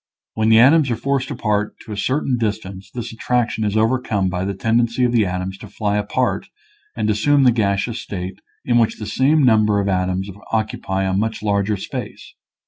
When the atoms are forced apart to a certain distance this attraction is overcome by the tendency of the atoms to fly apart and assume the gas eous state in which the same number of atoms occupy a much larger space.